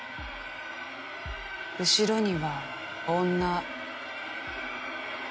後ろには女。